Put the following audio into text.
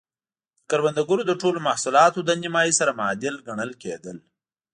د کروندګرو د ټولو محصولاتو له نییمایي سره معادل ګڼل کېدل.